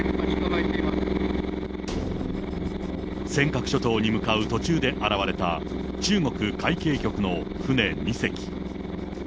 尖閣諸島に向かう途中で現れた、中国海警局の船２隻。